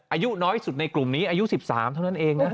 อายุน้อยสุดในกลุ่มนี้อายุ๑๓เท่านั้นเองนะ